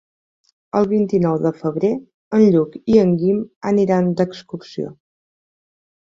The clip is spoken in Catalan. El vint-i-nou de febrer en Lluc i en Guim aniran d'excursió.